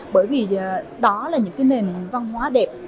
bởi vì đó là những nền văn hóa đẹp